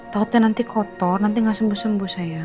tau nanti kotor nanti nggak sembuh sembuh sayang